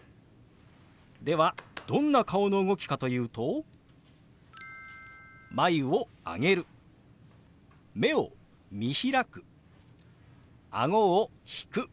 ではどんな顔の動きかというと眉を上げる目を見開くあごを引く。